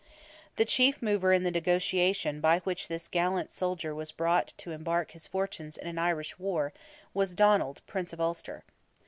The chief mover in the negotiation by which this gallant soldier was brought to embark his fortunes in an Irish war, was Donald, Prince of Ulster.